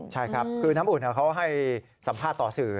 ใช่ครับคือน้ำอุ่นเขาให้สัมภาษณ์ต่อสื่อ